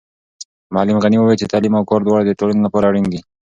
معلم غني وویل چې تعلیم او کار دواړه د ټولنې لپاره اړین دي.